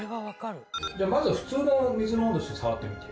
じゃあまずは普通の水の温度触ってみて。